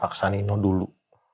maksan ino dulu